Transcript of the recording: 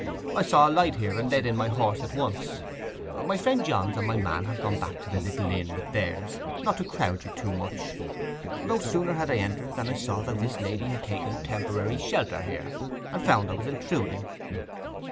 I saw a light here, and led in my horse at once—my friend Johns and my man have gone back to the little inn with theirs, not to crowd you too much. No sooner had I entered than I saw that this lady had taken temporary shelter here—and found I was intruding.